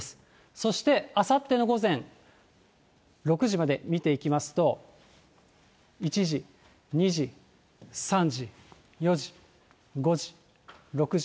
そしてあさっての午前６時まで見ていきますと、１時、２時、３時、４時、５時、６時。